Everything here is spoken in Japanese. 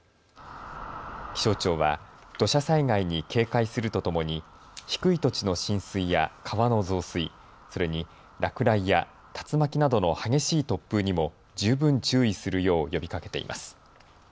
気象庁は土砂災害に警戒するとともに低い土地の浸水や川の増水、それに落雷や竜巻などの激しい突風にも十分注意するよう呼びかけています。